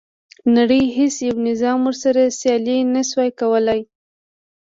نړۍ هیڅ یو نظام ورسره سیالي نه شوه کولای.